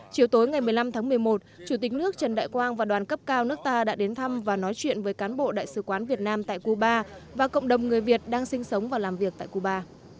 chiều tối ngày một mươi năm tháng một mươi một chủ tịch nước trần đại quang và đoàn cấp cao nước ta đã đến thăm và nói chuyện với cán bộ đại sứ quán việt nam tại cuba và cộng đồng người việt đang sinh sống và làm việc tại cuba